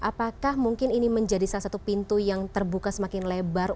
apakah mungkin ini menjadi salah satu pintu yang terbuka semakin lebar